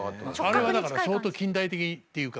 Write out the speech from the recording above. あれはだから相当近代的っていうかまあ。